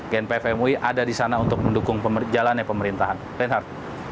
gmpf mui ada di sana untuk mendukung jalannya pemerintahan